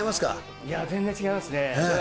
いやー、全然違いますね。